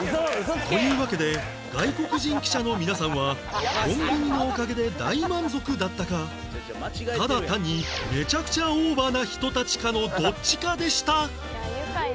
というわけで外国人記者の皆さんはコンビニのおかげで大満足だったかただ単にめちゃくちゃオーバーな人たちかのどっちかでした！